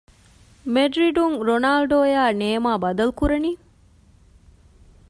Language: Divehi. މެޑްރިޑުން ރޮނާލްޑޯ އާއި ނޭމާ ބަދަލުކުރަނީ؟